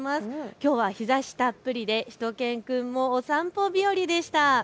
きょうは日ざしたっぷりでしゅと犬くんもお散歩日和でした。